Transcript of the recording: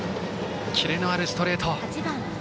キレのあるストレート。